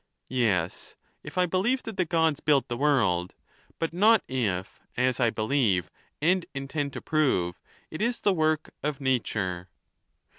Yes, if I be lieved that the Gods built the world ; but not if, as I be lieve, and intend to prove, it is the work of nature.